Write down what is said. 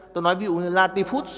tôi nói ví dụ latifoods